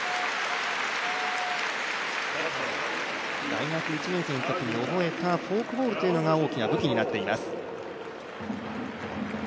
大学１年生のときに覚えたフォークボールというのが大きな武器になっています。